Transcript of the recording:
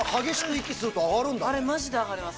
あれマジで上がります。